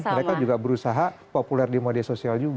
mereka juga berusaha populer di media sosial juga